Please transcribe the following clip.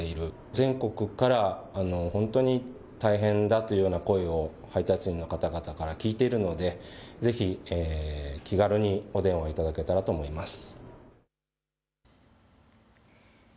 全国から本当に大変だというような声を配達員の方々から聞いているのでぜひ気軽にお電話いただけたらと思います。